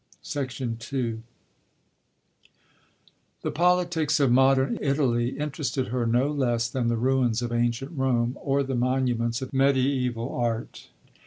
II The politics of modern Italy interested her no less than the ruins of ancient Rome or the monuments of mediæval art.